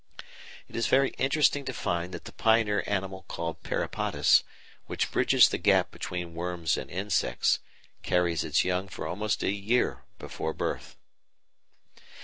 It is very interesting to find that the pioneer animal called Peripatus, which bridges the gap between worms and insects, carries its young for almost a year before birth.